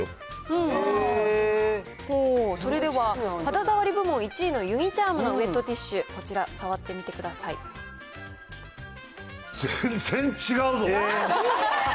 ほー、それでは、肌触り部門１位のユニ・チャームのウエットティッシュ、こちら触全然違うぞ。